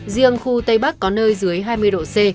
riêng khu tây bắc có nơi dưới hai mươi độ c